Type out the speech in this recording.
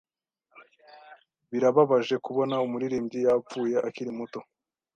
Birababaje kubona umuririmbyi yapfuye akiri muto.